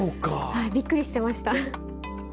はいビックリしてました。